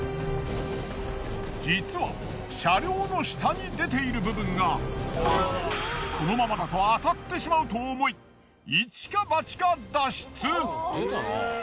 実は車両の下に出ている部分がこのままだと当たってしまうと思いイチかバチか脱出！